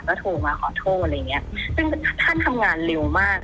ก็โทรมาขอโทษอะไรอย่างเงี้ยซึ่งท่านทำงานเร็วมาก